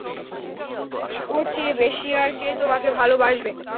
ওর চেয়ে বেশি আর, কে তোমাকে ভালবাসবে?